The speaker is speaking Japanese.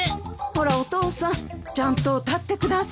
ほらお父さんちゃんと立ってください。